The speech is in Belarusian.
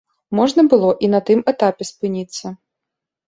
Можна было і на тым этапе спыніцца.